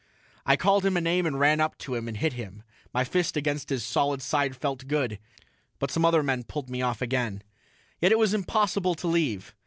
I called him a name and ran up to him and hit him; my fist against his solid side felt good, but some other men pulled me off again. Yet it was impossible to leave.